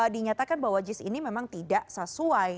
dinyatakan bahwa jis ini memang tidak sesuai